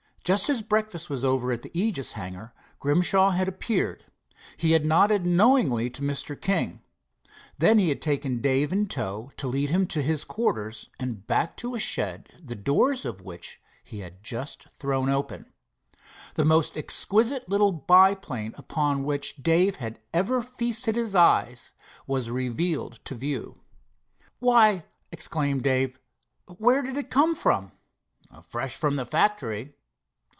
Just as breakfast was over at the Aegis hangar, Grimshaw had appeared. He had nodded knowingly to Mr. King. Then he had taken Dave in tow; to lead him to his quarters, and back to a shed the doors of which he had just thrown open. The most exquisite little biplane upon which Dave had ever feasted his eyes was revealed to view. "Why," exclaimed Dave, "where did it come from?" "Fresh from the factory."